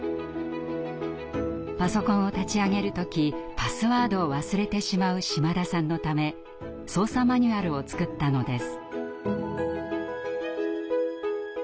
パソコンを立ち上げる時パスワードを忘れてしまう島田さんのため操作マニュアルを作ったのです。